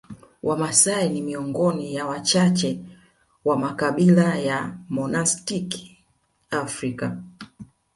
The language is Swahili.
Wamasai ni miongoni ya wachache wa makabila ya Monastiki Afrika